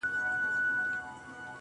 د هغه شپې څخه شپې نه کلونه تېر سوله خو~